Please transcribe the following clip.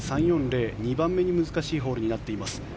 ２番目に難しいホールになっています。